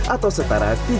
atau setara tiga ratus porsi